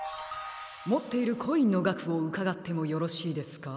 もっているコインのがくをうかがってもよろしいですか？